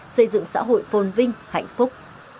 xây dựng xã hội phôn vinh hạnh phúc